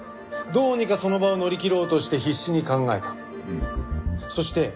どうにかその場を乗り切ろうとして必死に考えた。